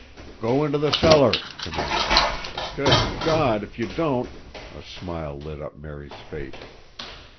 "Go into the cellar!" commanded Alan. "Good God, if you don't—" A smile lit up Mary's face.